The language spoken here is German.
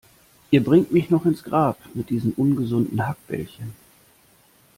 Ihr bringt mich noch ins Grab mit diesen ungesunden Hackbällchen.